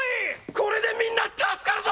これでみんな助かるぞ！